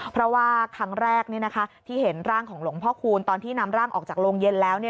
เพราะว่าครั้งแรกที่เห็นร่างของหลวงพ่อคูณตอนที่นำร่างออกจากโรงเย็นแล้ว